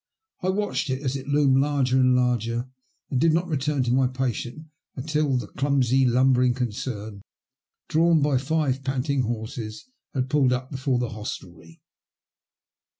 I watched it as it loomed larger and larger, and did not return to my patient until the clumsy, lumbering concern, drawn by five panting horses, had pulled up before the hostelry.